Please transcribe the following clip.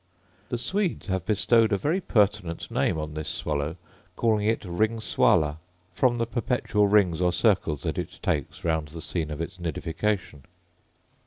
The Swedes have bestowed a very pertinent name on this swallow, calling it ring swala, form the perpetual rings or circles that it takes round the scene of its nidification.